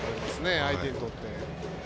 相手にとって。